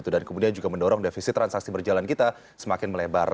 dan kemudian juga mendorong defisit transaksi berjalan kita semakin melebar